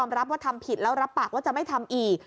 รับว่าทำผิดแล้วรับปากว่าจะไม่ทำอีก